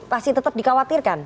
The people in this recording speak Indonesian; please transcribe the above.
pasti tetap dikhawatirkan